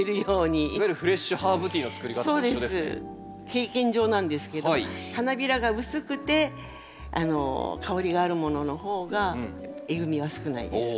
経験上なんですけど花びらが薄くて香りがあるものの方がえぐみは少ないです。